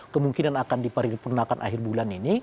kemungkinan akan diparipurnakan akhir bulan ini